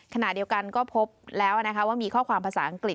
ขณะเดียวกันก็พบแล้วว่ามีข้อความภาษาอังกฤษ